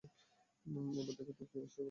এবার দেখ তোর কী অবস্থা করি।